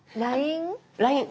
「ＬＩＮＥ」？